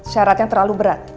syaratnya terlalu berat